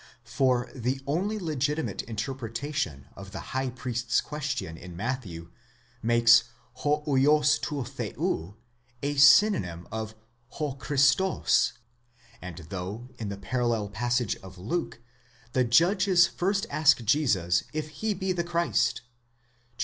For the only legitimate interpretation of the high priest's question in Matthew makes ὦ vids τοῦ θεοῦ a synonym of 6 Χριστὸς, and though in the parallel passage of Luke, the judges first ask Jesus if he be the Christ (xxii.